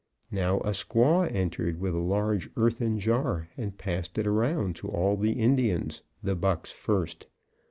Now a squaw entered with a large earthen jar and passed it around to all the Indians, the bucks first.